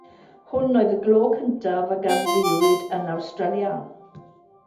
Hwn oedd y glo cyntaf a ganfuwyd yn Awstralia.